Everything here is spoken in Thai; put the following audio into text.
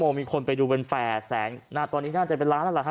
ทุกโมงมีคนไปดูเป็นแปรแสงหน้าตอนนี้น่าจะเป็นร้านละค่ะ